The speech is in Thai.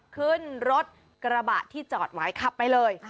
ขึ้นรถกระบะที่จอดไว้ขับไปเลย